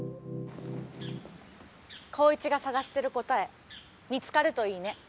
紘一が探してる答え見つかるといいね。